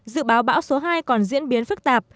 dự báo bão số hai còn diễn biến phức tạp